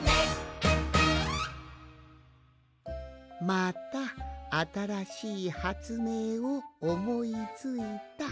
「またあたらしいはつめいをおもいついた。